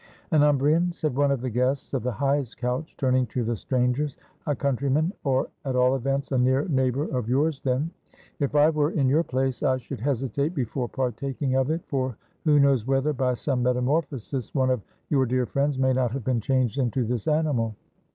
"An Umbrian," said one of the guests of the highest couch, turning to the strangers, " a countryman, or, at all events, a near neighbor, of yours then. If I were in 476 A ROMAN BANQUET your place, I should hesitate before partaking of it; for who knows whether, by some metamorphosis, one of your dear friends may not have been changed into this animal?"